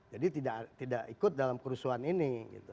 jadi tidak ikut dalam kerusuhan ini